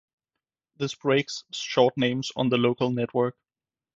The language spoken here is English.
This breaks short names on the local network.